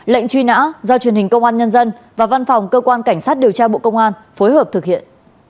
lệnh truy nã do truyền hình công an nhân dân và văn phòng cơ quan cảnh sát điều tra bộ công an phối hợp thực hiện